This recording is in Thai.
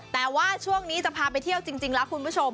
แต่ว่าช่วงนี้จะพาไปเที่ยวจริงแล้วคุณผู้ชม